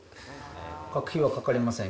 学費はかかりません。